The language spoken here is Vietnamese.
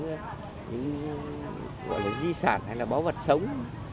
gọi là di sản hay là báu vật sống